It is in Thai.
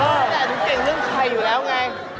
แต่หนูเก่งเรื่องใครอยู่แล้วไง